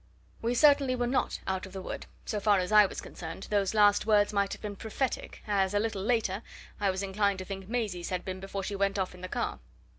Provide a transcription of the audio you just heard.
We certainly were not out of the wood so far as I was concerned, those last words might have been prophetic, as, a little later, I was inclined to think Maisie's had been before she went off in the car.